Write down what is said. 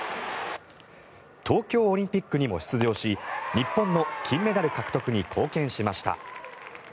東京オリンピックにも出場し日本の金メダル獲得に貢献しました。